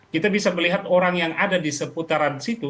kita bisa melihat orang yang ada di seputaran situ